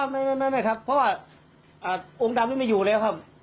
ไม่ครับเพราะว่าองค์ดำนี้ไม่อยู่แล้วครับ